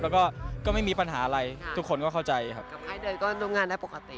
แล้วก็ก็ไม่มีปัญหาอะไรทุกคนก็เข้าใจครับให้เดินก็ร่วมงานได้ปกติ